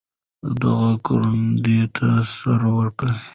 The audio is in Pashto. ودغه کروندې ته سره ورکه.